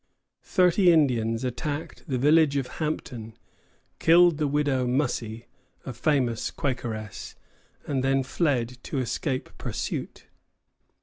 Thirty Indians attacked the village of Hampton, killed the Widow Mussey, a famous Quakeress, and then fled to escape pursuit.